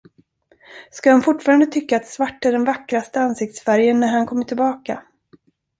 Ska han fortfarande tycka att svart är den vackraste ansiktsfärgen, när han kommer tillbaka?